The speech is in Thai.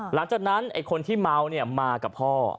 หลังจากนั้นคนที่เมามากับพ่อ